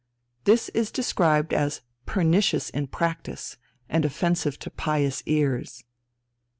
This is described as "pernicious in practice, and offensive to pious ears."